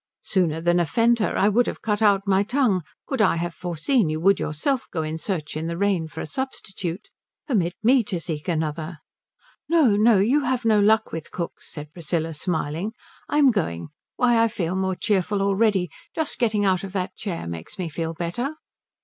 Sooner than offend her I would have cut out my tongue, could I have foreseen you would yourself go in search in the rain of a substitute. Permit me to seek another." "No, no you have no luck with cooks," said Priscilla smiling. "I'm going. Why I feel more cheerful already just getting out of that chair makes me feel better."